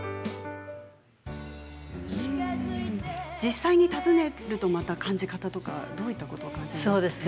実際に訪ねるとまた感じ方とかどういうことを感じましたか？